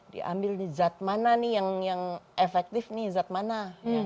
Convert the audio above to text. diambil nih zat mana nih yang efektif nih zat mana